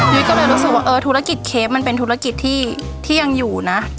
ก็เลยรู้สึกว่าเออธุรกิจเคฟมันเป็นธุรกิจที่ยังอยู่นะ